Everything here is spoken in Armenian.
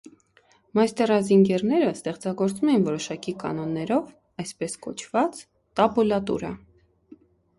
Մայստերազինգերները ստեղծագործում էին որոշակի կանոններով (այսպես կոչված՝ տաբուլատուրա)։